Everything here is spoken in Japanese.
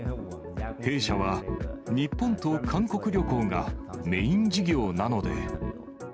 弊社は日本と韓国旅行がメイン事業なので。